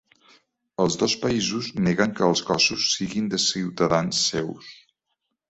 Els dos països neguen que els cossos siguin de ciutadans seus.